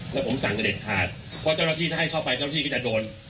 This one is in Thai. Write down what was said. แล้วผมสั่งเด็ดขาดเพราะเจ้าหน้าที่ถ้าให้เข้าไปเจ้าหน้าที่ก็จะโดน